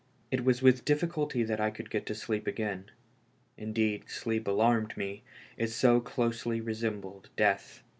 It Avas with difficulty that I could get to sleep again. Indeed, sleep alarmed me, it so closely resembled death.